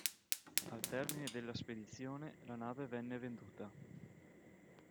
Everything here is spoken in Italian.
Al termine della spedizione la nave venne venduta.